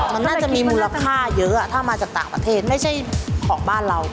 มันน่าจะมีมูลค่าเยอะถ้ามาจากต่างประเทศไม่ใช่ของบ้านเรา